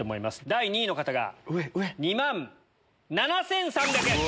第２位の方が２万７３００円。